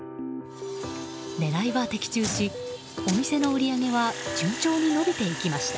狙いは的中し、お店の売り上げは順調に伸びていきました。